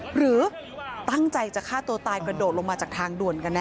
หรือตั้งใจจะฆ่าตัวตายกระโดดลงมาจากทางด่วนกันแ